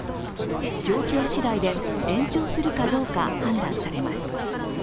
状況しだいで延長するかどうか、判断されます。